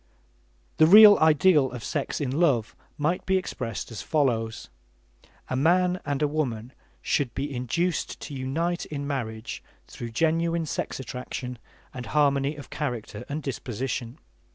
The real ideal of sex in love might be expressed as follows: A man and a woman should be induced to unite in marriage through genuine sex attraction and harmony of character and disposition.